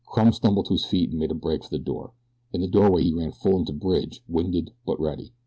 Crumb stumbled to his feet and made a break for the door. In the doorway he ran full into Bridge, winded, but ready.